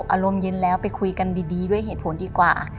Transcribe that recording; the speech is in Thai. อารมณ์เย็นแล้วไปคุยกันดีด้วยเหตุผลดีกว่า